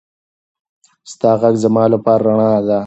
ستا غږ زما لپاره رڼا ده.